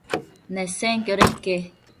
Nesenquioda ique?